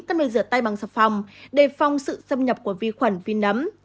cần phải rửa tay bằng sạp phòng để phong sự xâm nhập của vi khuẩn vi nấm